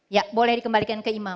ya boleh dikembalikan ke imam